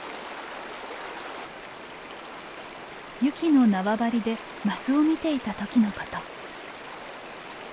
ユキの縄張りでマスを見ていた時のこと。